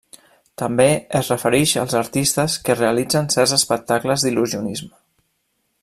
També es referix als artistes que realitzen certs espectacles d'il·lusionisme.